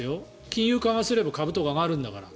金融緩和すれば株とか上がるんだから。